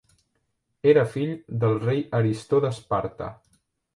Era fill del rei Aristó d'Esparta.